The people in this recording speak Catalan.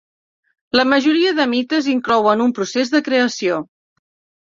La majoria de mites inclouen un procés de creació.